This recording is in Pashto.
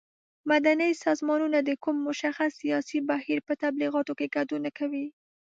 مدني سازمانونه د کوم مشخص سیاسي بهیر په تبلیغاتو کې ګډون نه کوي.